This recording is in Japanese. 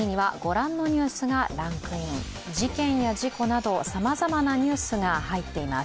事件や事故などさまざまなニュースが入っています。